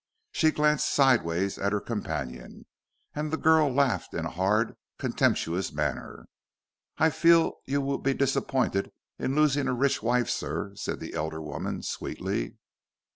She glanced sideways at her companion, and the girl laughed in a hard, contemptuous manner. "I fear you will be disappointed in losing a rich wife, sir," said the elder woman, sweetly.